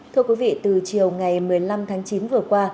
thưa quý vị từ chiều ngày một mươi năm tháng chín vừa qua